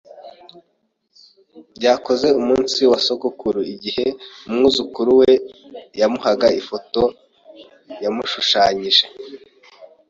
Byakoze umunsi wa sogokuru igihe umwuzukuru we yamuhaga ifoto yamushushanyije